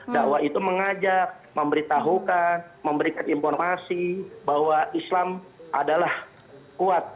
dakwah itu mengajak memberitahukan memberikan informasi bahwa islam adalah kuat